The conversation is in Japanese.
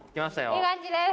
いい感じです！